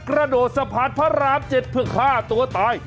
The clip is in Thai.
กระโดดสะพานพระราม๗เพื่อฆ่าตัวตาย